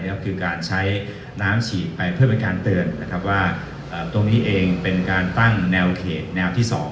ก็คือการใช้น้ำฉีดไปเพื่อเป็นการเตือนนะครับว่าตรงนี้เองเป็นการตั้งแนวเขตแนวที่๒